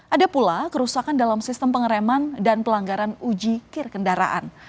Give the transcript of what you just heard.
ada pula kerusakan dalam sistem pengereman dan pelanggaran uji kir kendaraan